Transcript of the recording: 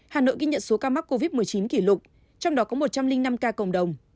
hà nội ghi nhận số ca mắc covid một mươi chín kỷ lục trong đó có một trăm linh năm ca cộng đồng